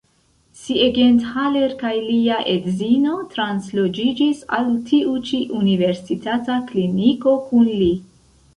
Siegenthaler kaj lia edzino transloĝiĝis al ĉi tiu universitata kliniko kun li.